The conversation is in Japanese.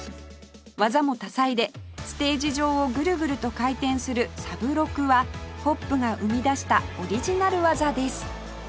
技も多彩でステージ上をグルグルと回転するサブロクはホップが生み出したオリジナル技です